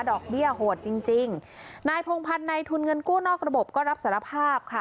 ดอกเบี้ยโหดจริงจริงนายพงพันธ์ในทุนเงินกู้นอกระบบก็รับสารภาพค่ะ